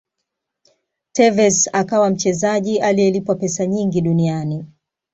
tevez akawa mchezaji anayelipwa pesa nyingi duniani